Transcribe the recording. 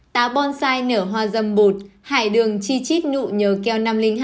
táo bonsai nở hoa dâm bụt hải đường chi chít nụ nhờ keo năm trăm linh hai